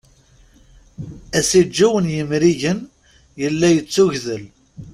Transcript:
Asiǧǧew n yimrigen yella yettugdel.